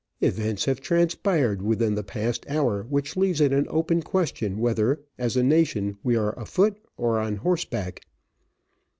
Events have transpired within the past hour, which leaves it an open question whether, as a nation, we are afoot or on horseback."